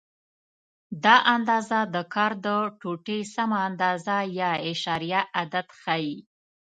دا اندازه د کار د ټوټې سمه اندازه یا اعشاریه عدد ښیي.